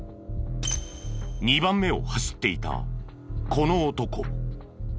２番目を走っていたこの男。